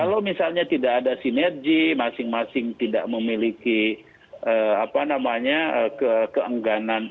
kalau misalnya tidak ada sinergi masing masing tidak memiliki keengganan